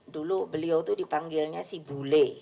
dulu beliau itu dipanggilnya si bule